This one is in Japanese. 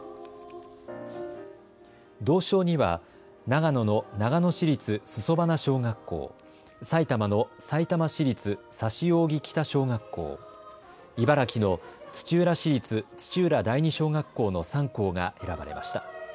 銅賞には長野の長野市立裾花小学校、埼玉のさいたま市立指扇北小学校、茨城の土浦市立土浦第二小学校の３校が選ばれました。